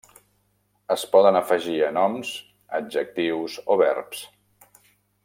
Es poden afegir a noms, adjectius, o verbs.